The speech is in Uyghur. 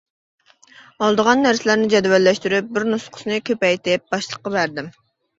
ئالىدىغان نەرسىلەرنى جەدۋەللەشتۈرۈپ بىر نۇسخىسىنى كۆپەيتىپ باشلىققا بەردىم.